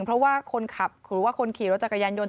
เพราะว่าคนขับหรือว่าคนขี่รถจักรยานยนต